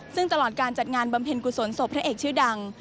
ซึ่งตลอดการจัดงานบำเพ็ญกุศลศพพระเอกชื่อดัง